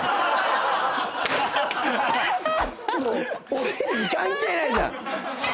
オレンジ関係ないじゃん。